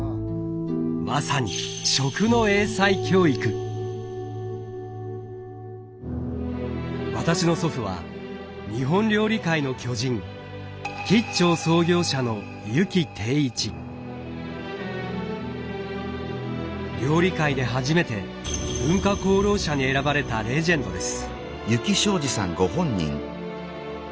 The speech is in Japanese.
まさに私の祖父は日本料理界の巨人料理界で初めて文化功労者に選ばれたレジェンドです。